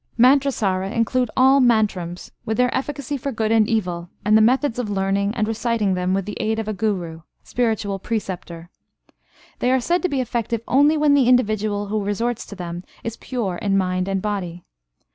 Mantrasara includes all mantrams, with their efficacy for good and evil, and the methods of learning and reciting them with the aid of a guru (spiritual preceptor). They are said to be effective only when the individual who resorts to them is pure in mind and body.